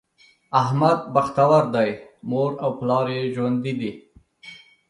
احمد بختور دی؛ مور او پلار یې ژوندي دي.